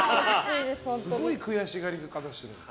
すごい悔しがり方してる。